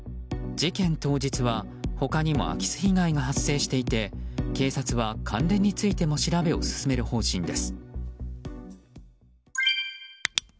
事件当日は他にも空き巣被害が発生していて警察は関連についても調べを進める方針です。